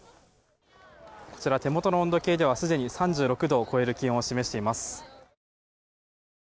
手元の温度計ではすでに３６度を超える気温を示しています。